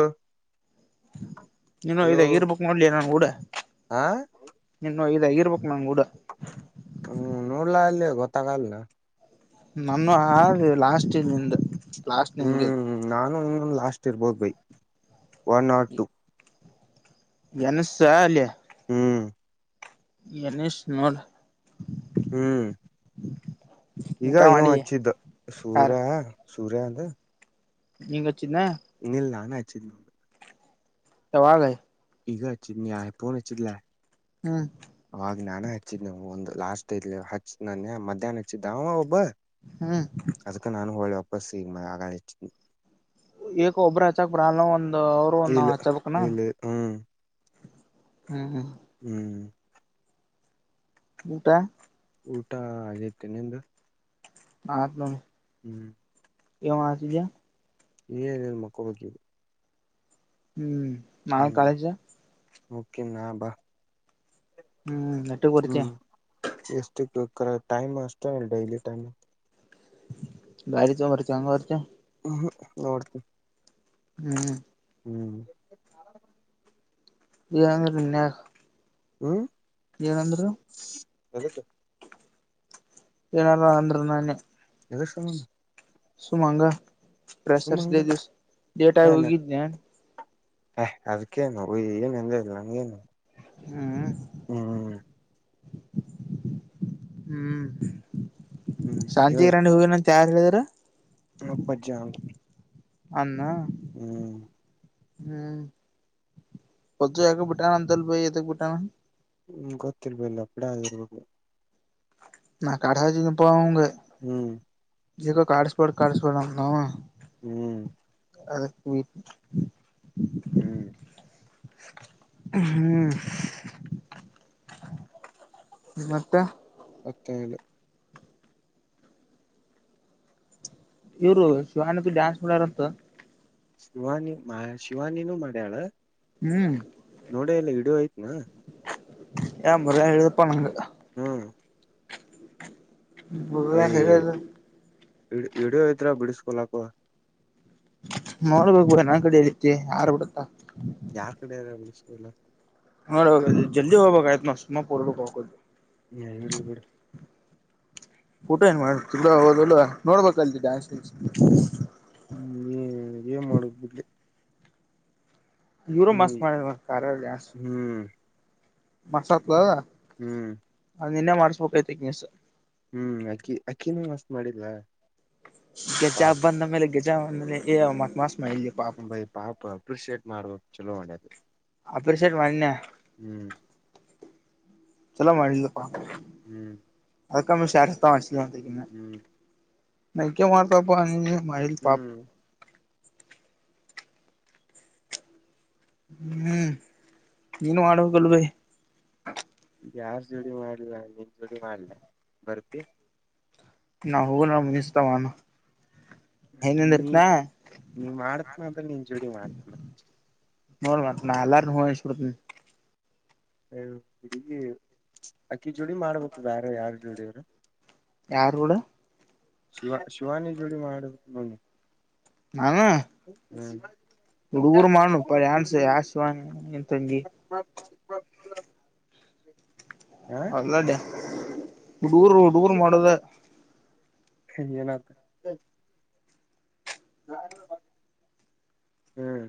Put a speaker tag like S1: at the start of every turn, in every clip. S1: ಹಾ
S2: ನೀನು ಇದ ಇರ್ಬೇಕಕ್ ನೋಡ್ಲಿ ನಾನ ಕೂಡ
S1: ಹಾ
S2: ಐದಗ ಇರ್ಬೇಕು ನಂಗಗೆ ಕೂಡ
S1: ಹ್ಮ್ ನೋಡ್ಲಾ ಅಲ್ಲಿ ಗೊತ್ತಾಗಲ್ಲ
S2: ನಾನು ಅ ಲಾಸ್ಟ್ ನಿಂದ ಲಾಸ್ಟ್ ನಿಂ
S1: ಹ್ಮ್ ನಾನು ಲಾಸ್ಟ್ ಇರ್ಬೋದು ಬೈ ಒನ್ ಆಟ್ ಟೂ
S2: ನಸಸ ಅಲ್ಲಿಯ
S1: ಹ್ಮ್
S2: ಎನೇಶ್ ನೋಡ
S1: ಹ್ಮ್ ಈಗ
S2: ಊಟ
S1: ಇನ್
S2: ಮಾಡಿ
S1: ಹಚ್ಚಿದ್ದ ಸೂರ್ಯ ಸೂರ್ಯ ಅಂದ
S2: ನಿವತ್ತು
S1: ಇನ್ನಿಲ್ಲ ನಾನ ಅಚ್ಚ
S2: ಯವಾಗಯ
S1: ಈಗ ಹಚ್ಚಿದ್ನ ಫೋನ್ ಹಚ್ಚಿದ್ಲಾ
S2: ಹ್ಮ
S1: ನಾನೇ ಹಚ್ಚಿದ್ದವು ಒಂದು ಲಾಸ್ಟ್ ಹಚ್ಚಿದ್ ನಾನ ಮಧ್ಯಾಹ್ನ ಹಚ್ಚಿದ್ದಾವ ಒಬ್ಬ
S2: ಹ್ಮ್
S1: ಅದಕ್ಕ ನಾನು ಹೋಳೆ ವಾಪಸ್ಸ ಈಗ ಮ ಆಗಾಳಿ ಹಚ್ಚಿದು
S2: ಈಏಕ ಒಬ್ಬ್ರ ಹಚ್ಚಕ್ ಬ್ರ ಅ ಒಂದ್ ಅವರು ಒಂದ
S1: ಇಲ್ಲ
S2: ನಾವ್ ಹಚ್ಚಬೇಕಕ್ನ
S1: ಇಲ್ಲ ಹ್ಮ್
S2: ಹ್ಮ್
S1: ಹ್ಮ್
S2: ಊಟಾ
S1: ಊಟ ಆಗೈತಿ ನಿಂದು
S2: ಹಾತ್ಲ
S1: ಹ್ಮ್
S2: ಕೆವ ಹಚಜ
S1: ನೀ ನೀನು ಮಕ್ಕೊ ಮುಕ್ಕು
S2: ಹ್ಮ್ ನಾಳೆ ಕಾಲೇಜ್
S1: ಓಕೆನಾ ಬಾ
S2: ಹ್ಮ್ [unintelligible]
S1: ಎಷ್ಟ ಟೈಮ್ ಅಷ್ಟ ಅಲ್ಲ ಡೈಲಿ ಟೈಮ್
S2: ಗಾಡಿ ತಕೊಂಡು ಬರ್ತೀಯ ಇಂಗೆ ಬರ್ತೀಯ
S1: ಹ್ಮ ನೋಡ್ತ
S2: ಹ್ಮ್
S1: ಹ್ಮ್
S2: ಏನಂದ್ರು
S1: ಹ್ಮ್
S2: ಏನಂದ್ರು
S1: ಯಾದಕ್ಕ
S2: ಏನಾರ ಅಂದರು ನೆನ್ನೆ
S1: ಎದಕ್ಕ
S2: ಸುಮಂಹಂಗ ಫ್ರೆಷೆರ್ಸ್
S1: ಹಂಗ
S2: ಡೇ ದಿನ ಲೇಟಾಗಿ ಹೋಗಿದ್ನೇ
S1: ಹೇ ಅದಕ್ಕೇನು ಏನ್ನಂದಿಲ್ಲ ನಂಗೇನು
S2: ಹ್ಮ್
S1: ಹ್ಮ್
S2: ಹ್ಮ್
S1: ಹ್ಮ್
S2: ಶಾಂತಿಗರಂಡಿ ಹೋಗ್ಯಾನ ಅಂತ ಯಾರ ಹೇಳಿದ್ರ
S1: ಅಪ್ಪಾಜಿ
S2: ಅನ್ನನಾ
S1: ಹ್ಮ್
S2: ಹ್ಮ ಪಬ್ಯಾಕೆ ಬುಟ್ಟಾನನಂತಲ್ಲ ಬೈ ಯದಕ್ಕ ಬುಟ್ಟಾನಾ
S1: ಹ್ಮ್ ಗೊತ್ತಿಲ ಬೈ ಲಬ್ದ ಆಗಿರಬೇಕು
S2: ನಾ ಕಡಜಿನಪ್ಪ ಅವನಿಗೆ
S1: ಹ್ಮ್
S2: ಜಿಗೋ ಕಡಿಸ್ಬೇಡ ಕಡಿಸ್ಬೇಡ ಅನ್ನಅವ
S1: ಹ್ಮ್
S2: [unintelligible]
S1: ಹ್ಮ್
S2: ಹ್ಮ್ ಮತ್ತೆ
S1: ಮತ್ತೆ ಹೇಳು
S2: ಇವರು ಶಿವಾನಂತ ಡ್ಯಾನ್ಸ್ ಮಾಡಾರಂತ
S1: ಶಿವಾನಿ ಶಿವಾನಿನೂ ಮಾಡ್ಯಾಳ
S2: ಹ್ಮ್
S1: ನೋಡೆಯಿಲ್ಲ ವಿಡಿಯೋ ಐತ್ನ
S2: ಹೇ [unintelligible] ಹೇಳಪ್ಪ ನನ್ಗೆ
S1: ಹ್ಮ್
S2: ಮರ್ಯಾ ಹೇಳಿದ
S1: ಬೈವಿಡಿಯೋ ಇದ್ರ ಬಿಡಸ್ಕೊಲಾಕುವ
S2: ನೋಡ್ಬೇಕು ಬಿಡ ನನ್ ಕಡೆ ಹೇಳತಿ ಆರ್ಬಿಡತ್ತಾ
S1: ಯಾರ್ ಕಡೆಯಾರು ಈಸ್ಕೊಲ್ಲ
S2: ಹ ಜಲ್ದಿ ಹೋಗಬೇಕ ಆಯ್ತ್ [unintelligible] ಆಗೋದು
S1: ಇರ್ಲಿಬಿಡು
S2: ಫೋಟೋ ಏನ್ ಮಾಡತಿಲ್ವ ಹೌದಲ್ವಾ ನೋಡ್ಬೇಕಲ್ ಡಾನ್ಸ್
S1: ಹ್ಮ್ ಏನ್ ಮಾಡಕ್ ಬಿಡ್ಲಿ
S2: ಇವರು
S1: ಹ್ಮ್
S2: ಮಸ್ತ್ ಮಾಡರವ್ವ ಕಾರಲ್ಲಿ ಡಾನ್ಸ್
S1: ಹ್ಮ್
S2: ಮಸ್ತ್
S1: ಹ್ಮ್
S2: ನಿನ್ನೆ ಮಾಡಸ್ಬೇಕಯಿತು [unintelligible]
S1: ಹ್ಮ್ ಆಕ್ಕಿ ಆಕ್ಕಿನೂ ಮಸ್ತ್ ಮಾಡಿದ್ಲಾ
S2: ಗೆಜಾ ಬಂದ ಮೇಲೆ ಗಗೆಜ್ಜಾ ಬಂದ ಮೇಲೆ ಮ ಮಸ್ [unintelligible]
S1: ಂಬೈ [unintelligible] ಪಾಪ ಅಪ್ರಿಶಿಯೇಟ್ ಮಾಡ್ಬೇಕಕ್ ಚಲೋ ಒಂಡೇದು
S2: ಅಪ್ರಷಿಯೇಟ್ ಮನ್ಯಾ [unintelligible]
S1: ಹ್ಮ್
S2: ಚಲೋ ಮಾಡಿಲ್ಲಪ್ಪಾ
S1: ಹ್ಮ್
S2: ಅದಕ್ಕಮ್ಮ ಶೇರಸ್ತ ಅಿಲ್ಲ ಅಂತನ
S1: ಹ್ಮ್
S2: ನ ಮಾಡಾರತಪ್ಪ ಅ [unintelligible] ಮೈಲ್ ಪಾಪ್
S1: ಹ್ಮ್
S2: ಹ್ಮ್ ನೀನು ಮಾಡಡಬೇಕಬೇಕಲ್ಲ ಭೈ
S1: ಯಾರ್ ಜುಡಿ ಮಾಡ್ಲ ನಿನ್ ಜುಡಿ ಮಾಡ್ಲ ಬರ್ತಿ [unintelligible]
S2: ನಾ ಹೋಗ ನ ಮುನಿಸ್ತಾನ [unintelligible]
S1: ನೀ ನೀ ಮಾಡತ್ನ ಅಂದ್ರೆ ನೀನ್ ಜೋಡಿ ಮಾಡ್ತ್ನ
S2: ನೋಡ್ ಮ ನ [unintelligible] ಅಲಾರ ಹಬ [unintelligible]
S1: ಹ ಹಗಿ ಅಕ್ಕಿ ಜೋಡಿ ಮಾಡ್ಬೇಕು ಬಾರ ಯಾರ್ ಜೋಡಿವ್ರ
S2: ಯಾರಡ [unintelligible]
S1: ಶಿವ ಶಿವಾನಿ ಜೋಡಿ ಮಾಡು
S2: ನಾನ [unintelligible]
S1: ಹ್ಮ್
S2: ಇಡು ಊರ ಮಾಡು ಇಪ್ಪ ಯನ್ಸ ಆಸ ಏನು ತಂಗಿ [unintelligible]
S1: ಹ [unintelligible]
S2: ಹೌಲ್ಲಡ [unintelligible] ಹುಡುಗುರು ಹುಡುಗರು ಮಾಡದ
S1: ಹಏನತ್ತ ಹ್ಮ್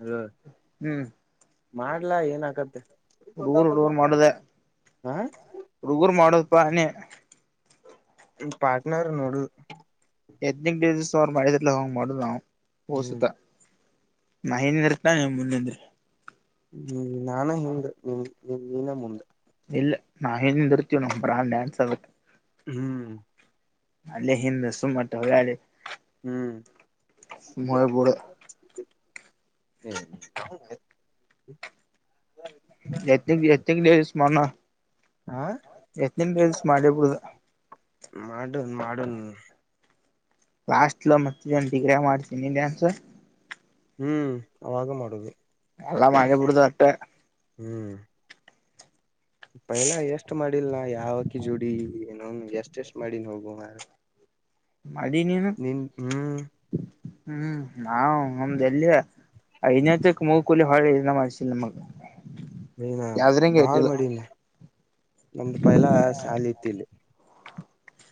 S1: ಹ್ಮ
S2: ಹ್ಮ್
S1: ಮಾಡ್ಲಾ ಏನ ಆಕತ್ತೆ
S2: ಹುಡುಗರು ಹುಡುಗರು ಮಾಡುದ
S1: ಹ
S2: ಹುಡುಗರು ಮಾಡುದಪ್ಪ [unintelligible] ನೀಿ
S1: ಪಾರ್ಟ್ನರ್ ನೋಡು
S2: ಎದನಿಕ್ ಡಿಸೀ ಅವ್ರ ಮಾಡಲ ಹೋಗಂಗ್ ಮಾಡುದು ನಾವು
S1: ಹ್ಮ್
S2: ಓಸುತ್ತ [unintelligible] ಮನಂದ್ರತ ಮುಂದಂದ್ರಿ [unintelligible]
S1: ಹ್ಮ್ ನಾನ ಹಿಂದಂದೆ ನಿ ನಿಮ ನೀನ ಮುಂದೆ
S2: ಇಲ್ಲ ನಾ ಹಿಂದೆ ಇರ್ತೀವ ನ ಬ್ರಾ ಡ್ಯಾನ್ಸ್ ಆಗತ್ತೆ
S1: ಹ್ಮ್
S2: ಅಲ್ಲೇ ಹಿಂದೆ ಸುಮಟ್ಟೆ
S1: ಹ್ಮ್
S2: ಮಯ ಬರ [unintelligible]
S1: ಹ್ಮ [unintelligible]
S2: ಎತ್ತನ ಎನ ೇಿಸ ಮಾಡಣ [unintelligible] ಎತ್ ನಿ ಮಾಡಪ [unintelligible]
S1: ಮಾಡುನ್ ಮಾಡುನ್
S2: ಲಾಸ್ಟ್ ಲ ಮತ್ತೆನ ಡಿಗ್ರಿ ಮಾಡ್ತೀನಿ [unintelligible] ಡ್ಯಾನ್ಸ
S1: ಹ್ಮ್ ಅವಾಗ ಮಾಡುವೆ
S2: ಎಲ್ಲಾ ಮೆ [unintelligible] ಬಿಡದ ಅಟ್ಟೆ
S1: ಹ್ಮ್ ಪಹಲಾ ಎಷ್ಟ್ ಮಾಡಿಲ್ನಾ ಯಾವಕಿ ಜೋಡಿ ಏನೋ ಎಷ್ಟ ಎಷ್ಟ್ ಮಾಡಿನ್ ಹೋಗುವ ಮಾರ
S2: ಮಾಡಿ ನೀನು
S1: ನಿನ್ ಹ್ಮ್
S2: ಹ್ಮ್ ನಾ ನಮ್ದ ಎಲ್ಲಿ ಐನತ್ತಕ್ಕೆ ಮೂ ಕೂಲಿ ಹಾಳೆ ಇದನ್ನ ಮಾಡ್ಸಿಲ್ಲ ನಮಗ [unintelligible]
S1: ನೀನಾ ಭಾಳ್ ಮಾಡಿನ ಮಡಿದಿಯ ನಮ್ದೂಪಾಯಲಾ ಶಾಲಿ ಇತಿಲ್ಲಿ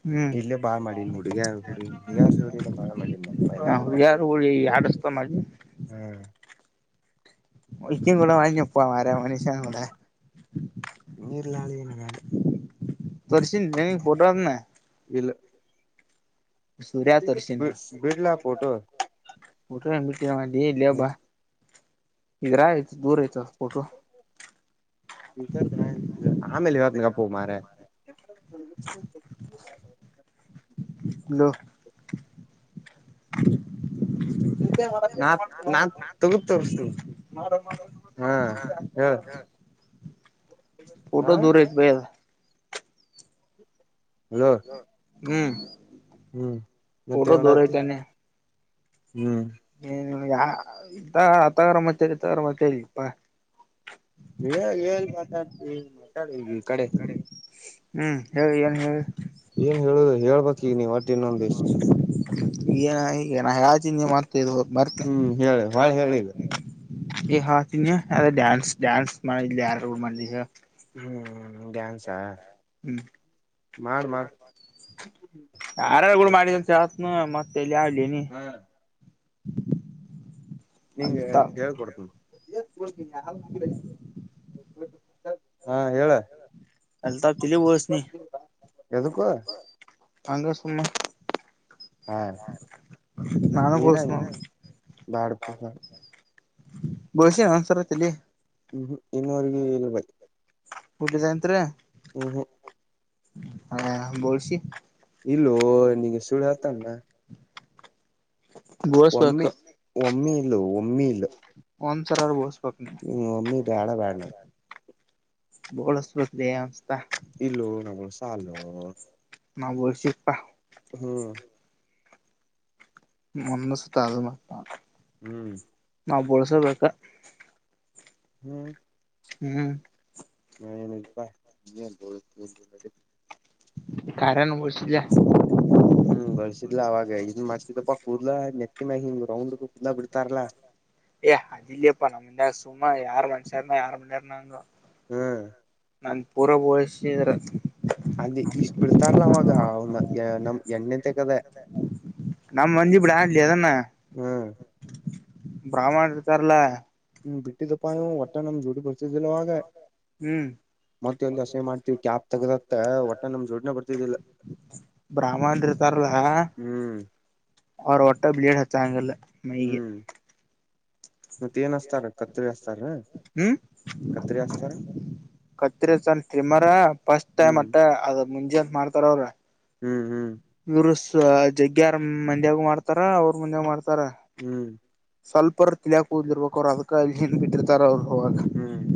S2: ಹ್ಮ್
S1: ಇಲ್ಲೇ ಬಾಳ್ ಮಾಡಿನಿ ಹುಡುಗ ಹು ಯಾರ ಜೋಡ ಬಾಳ ಮಾಡನ್
S2: ಅಡಷ್ಟತ ಮಾಡಿ
S1: ಹಾ
S2: ಒಕಿ ಕೂಡ ಮಾಡಳೊಪ್ಪ ಮ್ಯಾರ ಮನುಷ್ಯನ ಉಡ
S1: ನೀರ್ಲಳಿನಗಾರೆ
S2: ತೋರ್ಸಿನ್ ನ ನಿಂಗ್ ಫೋಟೋ ಅದನ್ನ
S1: ಇಲ್ಲ
S2: ಸೂರ್ಯ
S1: ಬಿ
S2: ತೋರ್ಸಿನ್
S1: ಬಿಡ್ಲಾ ಫೋಟೋ
S2: ಫೋಟೋ ಏನ್ ಬಿಟ್ರಾಹೋದೀ
S1: ಹ್ಮ್
S2: ಇಲ್ಲೇಬಾ ಇದ್ರಾಗ ಐತಿ ಪುರ್ ಫೋಟೋ
S1: ಆಮ್ಯಾಲ ಹೇಳ್ತೇನ ಗಪ್ಪೋ ಮಾರಾಯಾ [unintelligible]
S2: ಹಲೋ [unintelligible]
S1: ನಾ ನಾ ತಗದ್ ತೋರಸ್ತನ
S2: ವಾ ಫೋಟೋ
S1: ಹಾ
S2: ದೂರ ಐತಿ ಬೈ ಅದ
S1: ಹಲೋ
S2: ಹ್ಮ್
S1: ಹ್ಮ್
S2: ಫೋಟೋ
S1: ಮತ್ತೇನ್
S2: ದೂರ
S1: ಮಾಡಾತಿ ಹ್ಮ್
S2: ಏ ಇವನಗಾ ಯ ಅತ್ತಗರ ಮತ್ ಇತ್ತಾಗರ ಮತ್ ಸರಿಪ್ಪಾ
S1: ಹೇಳ್ ಏನ್ ಮಾತಾಡ್ತಿ ಮಾತಾಡು ಈಗ ಕಡೆ
S2: ಹ್ಮ್ ಹೇಳ್ ಏನ್ ಹೇಳ್
S1: ಏನ್ ಹೇಳುದು ಹೇಳ್ಬಕ್ ಈಗ ನೀ ಒಟ್ಟ ಇನ್ನೊಂದಿಷ್ಟು
S2: ಏನ್ ಹಾ ಈಗ ನಾ ಹೇಳಾತಿದ್ಯಾ ಮತ್ ಇದು ಹೋತ ಮರ್ತ್ಯಾ
S1: ಹ್ಮ್ ಹೇಳ ಹೊಳ್ ಹೇಳ ಈಗ
S2: ಏನ್ ಹೇಳಾತಿದ್ಯಾ ಅದ ಡ್ಯಾನ್ಸ್ ಡ್ಯಾನ್ಸ್ ಮಾಡಿದ್ಲ್ಯಾ ಯಾರಗುಡ ಮಾಡಿಹೇಳ
S1: ಹ್ಮ್ ಡ್ಯಾನ್ಸಾ
S2: ಹ್ಮ್
S1: ಮಾಡ್ ಮಾಡ್
S2: ಯಾರ್ಯಾಗುಡ್ ಮಾಡಿದಿ ಅಂತ ಕೆಳಾತ್ನು ಮತ್ತ ಲ್ಯಾಡ್ಲಿನಿ
S1: ಹಾ ನಿಂಗೆ ಹೇಳ್ ಕೊಡ್ತನ [unintelligible] ಹಾ ಹೇಳ
S2: ಅಲ್ತಾಫ್ ತಲಿ ಬೋಳ್ಸ್ನಿ
S1: ಎದುಕ್ಕೂ
S2: ಹಂಗ ಸುಮ್ಮ
S1: ಹಾ
S2: ನಾನು
S1: ನೀನ
S2: ಬಸುಮಾವ
S1: ಬ್ಯಾಡಪ ಬ್ಯಾಡ
S2: ಹ್ಮ್ ಘೋಷ್ಯ ಸರತಿಲ್ಲಿ
S1: ಹ್ಮ ಇನ್ನುವರೆಗಿ ಇಲ್ ಬೈ
S2: ಊಟಾಗೆನಿಂತಿರಿ
S1: ಹ್ಮ ಹ್ಮ
S2: ಅಯ ಬೋಳ್ಸಿ
S1: ಇಲ್ಲೋ ನಿನ್ಗ ಸುಳ್ಳ ಹೇಳ್ತೇನಿನ ಒಮ್ಮಿ
S2: ಬೋಳ್ಸ್ಬೇಕು
S1: ಒಮ್ಮಿ ಇಲ್ಲೋ ಒಮ್ಮಿ ಇಲ್ಲ
S2: ಒಂದಸರ ಒ
S1: ಹ್ಮ ಒಮ್ಮಿ ಬ್ಯಾಡ ಬ್ಯಾಡ ನಂಗ್
S2: ಬೋಳುಸ್ಬೇಕ್ರಿ ಅವನ್ತ
S1: ಇಲ್ಲೋ ನಾ ಮ್ನಸಾಲ್ಲೂ
S2: ನಾ ಓಲ್ಡ್ ಶಿಪಾ
S1: ಹ್ಮ್
S2: [unintelligible] ನಿಮ್ಮ್ಮನ ಸ್ತಲ್ವ
S1: ಹ್ಮ್
S2: ನಾವ ಬೋಳ್ಸಬೇಕ
S1: ಹ್ಮ್
S2: ಹ್ಮ್
S1: ನಾಯೆನ್ ಇಲ್ಲಪ್ಪಾ ಈಗೆನ್ ಬೋಳಸ್ಕೊಂತಿ ನಡಿ
S2: ಕಾರ್ಯಾನವ ಬೋಳಸಿದ್ವಿಲಾ
S1: ಹ್ಮ್ ಬಳ್ಸಿದಿಲ್ಲ ಅವಾಗ ಇದನ್ ಮಾಡ್ತಿದಪ್ಪ ಕೂುದಲಾ ನೆಟ್ಟಿ ಮಿ ಹಿಂಗ ಕುದಲ ಬಿಡ್
S2: ಏ ಅದಲ್ಲಿಪ್ಪ ನಮ್ಮ ಮುಂದಾಗ ಸುಮ ಯಾರು ಮನುಷ್ಯಾರನ ಯಾರು ಮಸಾರನಂಗ
S1: ಹ್ಮ್
S2: ನಾ ಪೂರ ಹಳಸಿದ್ರ
S1: ಅದ ಇಷ್ಟ್ ಬಿಡ್ತಾರಲ್ಲ ಅವಾಗ ಅವ ನಮ್ ಎಣ್ಣೆ ತಗದೆ
S2: ನಮ್ಮ ಮಂದ ಇ ಬಿಡ ಆನ್ಲಿದಾನ
S1: ಹ್ಮ್
S2: ಬಹ್ಮಣರು ತರಲ
S1: ಹ್ಮ್ ಬಿಟ್ಟಿದಪ್ಪಾ ನೀವು ಒಟ್ಟ ನಮ್ ಜೋಡಿ ಬರ್ತಿದ್ದಲ್ವಾಗ
S2: ಹ್ಮ್
S1: ಮಾಡ್ತೀವಿ ಕ್ಯಾಪ್ ತಗದತ್ತ ಒಟ್ಟ ನಮ್ ಜೋಡಿನ ಬರ್ತಿದ್ದಿಲ್ಲ
S2: ಬ್ರಹ್ಮ ರ್
S1: ಹ್ಮ್
S2: ಅವ್ರ ಹೊಟ್ಟ ಬ್ಲೇಡ್ ಹಚ್ಚಂಗಲ್ಲ ಮೈಗೆ
S1: ಹ್ಮ್ ಮತ್ತ ಏನ್ಸ್ತಾರ ಕತ್ರಿ ಹಸ್ತಾರ
S2: ಹ್ಮ್
S1: ಕತ್ರಿ ಹಸ್ತಾರ
S2: ಕತ್ರಿ ಸನ್ ಟಮರ ಫಸ್ಟ್ ಟೈಮ್
S1: ಹ್ಮ್
S2: ಅಟ್ಟ ಅದ ಮುಂಜೆಂತ ಮಾಡ್ತಾರ ಅವ್ರ
S1: ಹ್ಮ್ ಹ್ಮ್
S2: ಇವರು ಜಗ್ಗ್ಯಾರ್ ಮಂದ್ಯಾಗ ಮಾಡ್ತಾರ ಅವ್ರ ಮಂದ್ಯಾಗ ಮಾಡ್ತಾರ ಸ್ವಲ್ಪ ತಿಳಿಯಾಕ ಹದಿರ್ಬೇಕ ಅವ್ರು ಅದಕ್ಕಲ್ಲಿ ಏನ್ ಬಿಟ್ಟಿರ್ತಾರ ಅವರು ಅವಾಗ
S1: ಹ್ಮ್ ಹ್ಮ್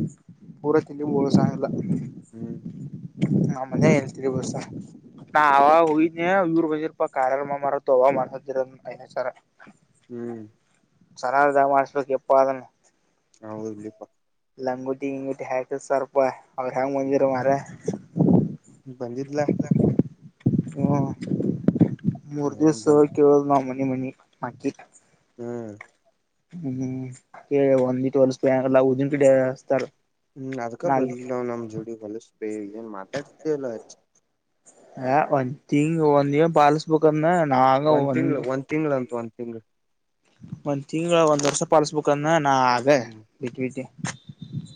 S2: ಪೂರ ತಿ ನೀವು ಓಳಸಲ್ಲ
S1: ಹ್ಮ್
S2: ನಮ್ಮನ ಹೇಳ್ತೀರಿ ಬಹಸ ನಾ ಆವ ಹಯ ಯುರ್ವಜರ್ ಪ ಕಾರಾರ ಮಾರ ಹವ ಮಸರ ಸಾರ
S1: ಹ್ಮ್
S2: ಚೆನ್ನದ ಮಾಡಿಸಬೇಕು ಎಪ್ಪ ಅದನ್ನು
S1: ಹೌದುಪಾ
S2: ಲಂಗುಟ್ಟಿ ಹಿಂಗುಟ್ಟಿ ಹಾಕ್ತ ಸರ್ಪ ಅವ್ರ ಹೆಂಗ್ ಬಂದಿರ ಮರ
S1: ಬಂದಿದ್ಲ
S2: ಹ ಮೂರ್ತಿ ಸಹ
S1: ಬಂದ್
S2: ಕವ ನ ಮನೆ ಮನಿ ಮಾಕಿ
S1: ಹ್ಮ್
S2: ಹ್ಮ್ ಒಂದ ಒಲ್ಲದನ್ ಕಡೆತಾರೆ
S1: ಹ್ಮ್ ಅದಕ ಬರ್ಲಿಲ್ಲ ನ್ ನಮ್ ಜೋಡಿ ಹೊಲಸ್ಬೇ ಏನ್ ಮಾತಾಡ್ತಿದ್ದೇಲ್ಲಚ್ಚ
S2: ಹ ಒನ್ಗ್ ಒಂದ್ ಪಾಲಸ್ ಬುಕ್
S1: ಒಂದ್ ತಿಂಗಳ ಒಂದ್ ತಿಂಗಳ ಅಂತ ಒಂದ್ ತಿಂಗ್ಳ
S2: ಒಂದ್ ತಿಂಗಗಳ ಒಂದ್ ವರ್ಷ ಪಾಲಸ್ಬೇಕಕ್ಂದ ನಾ ಆಗ
S1: ಹ್ಮ್
S2: ಬಿತಿ ಬಿತಿ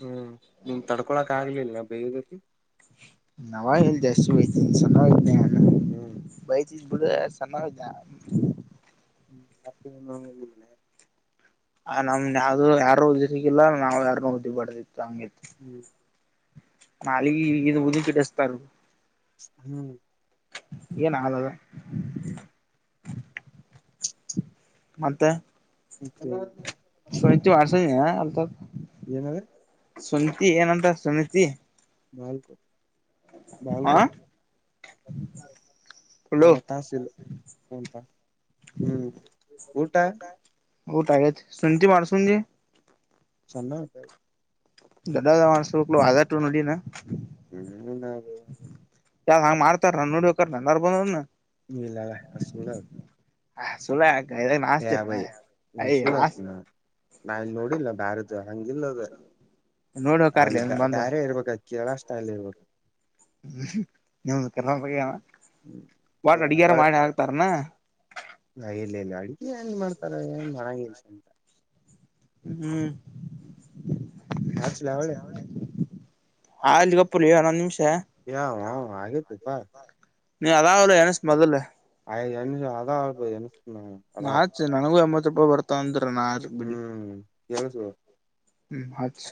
S1: ಹ್ಮ್ ನಿನ್ ತಡ್ಕೊಳಕ್ ಆಗ್ಲಿಲ್ಲ ಬೇದತಿ
S2: ನಾವ ಇಲ್ ಜಾಸ್ತಿ ಹೋಗ್ ಚಯ್ತೆ
S1: ಹ್ಮ್
S2: ಚೀ ಬಳ್ಳ ಸ
S1: ಹ್ಮ್ ಬ
S2: ಆ ನಮ್ವವುದು ಯಾರು ಉದಿ ಸಿಗಿಲ್ಲ ನಾವ್ ಯಾರೂ ಉದ್ದಿ ಬರ್ದಿತ್ತು ಹಂಗಗೆ
S1: ಹ್ಮ್
S2: ನಲ್ಲಿಗ ಇದು ಉದಿಪಿಟ್ಟತಾರ
S1: ಹ್ಮ್
S2: ಏನ್ ಆಗದ
S1: ಹ್ಮ್
S2: ಮತ್ತೆ ಶಹತಿ ವರ್ಷ ಅತ
S1: ಏನದ
S2: ಸುನಿತಿ ಏನಂತ ಸುನತಿ
S1: ಬಲ್ಕೋಟ್
S2: ಹ
S1: ಬಲ್ಕೋಟ್
S2: ಹಲೋ
S1: ಅದ ತಾಸ ಉಟಾ ಹ್ಮ ಊಟ
S2: ಊಟಾಗತಿ ಸಂತಿ ಮಾರ್ಸುಂಜಿ.
S1: ಸಣ್ಣವ
S2: ದಾ ದ ಮ ಸುಲ ಆದಟು ನುಡಿನ
S1: ಹ್ಮ ನಾವು
S2: ನಾ ಹಂಗ ಮಾಡ್ತಾರ ನೋಡ್ಬೇಕ ನಂದಾರಾ ಬಂದ್
S1: ಇಲ್ಲಳ ಅದ ಸುಳ್ಳಾದ
S2: ಹ ಸುಳ ಇದಾಗ
S1: ಯಾವ
S2: ನಾಸ್ತಿರ್ನ
S1: ಇನ್
S2: ಅಯ ನಾಸ್
S1: ಸುಳ್ತ್ನಾ ನಾಲ್ ನೋಡಿಲ್ಲ ಬಾರ ದ ಹಂಗಿಲ್ಲ ಅದ
S2: ನೋಡಿ ಹೋಕಾರ್ಲಿ
S1: ಅಲ್ಲಿ
S2: ಅನ್ ಬಂದ
S1: ಬೇರೆ ಇರ್ಬೇಕ ಕೇಳಷ್ಟೈಲಿ ಇರ್ಬೇಕ.
S2: ಹ್ಮ ನಿ ಕ ಆಗ್ಯಾನ
S1: ಹ್ಮ್
S2: ಅಡಗಾರ ಮಾಡಿ ಹಾಕ್ತಾರನ.
S1: ಇಲ್ಲ ಇಲ್ಲ ಅಡ್ಗೆ ಏನ್ ಮಾಡ್ತಾರ ಏನ್ ಮಾಡಂಗಿಲ್ಲ ಸುಮ್ಕ
S2: ಹ್ಮ.
S1: ಹಾಕ್ಸಲಿ ಹೊಳ್ಳಿ
S2: ಆಲ್ಲಿ ಗಪ್ಪಲೆ ಅನ್ನೊದ ನಿಂಶ
S1: ಯ ವ ಆಗೇತೋ ಪಾ
S2: ನೀ ಅದಾವಲ್ಲ ಎನಸ್ ಮೊದಲ
S1: ಆಯನ ಅದ ಆಳಬನ
S2: ನಾಚ ನನಗೂ ಎಂಬತ್ತ ರೂಪಾಯಿ ಬರ್ತ ಅಂದ್ರ. ನಾಚ ಬಿಡ್ಲಿ
S1: ಹ್ಮ್ ಕೇಳಸು
S2: ಹ್ಮ್ ಹಚ್ಚ.